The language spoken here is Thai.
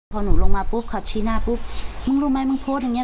พอหนูลงมาปุ๊บเขาชี้หน้าปุ๊บมึงรู้ไหมมึงโพสต์อย่างเง